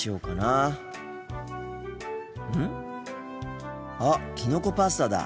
あっきのこパスタだ。